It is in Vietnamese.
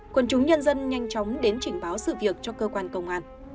quân chúng nhân dân nhanh chóng đến trình báo sự việc cho cơ quan công an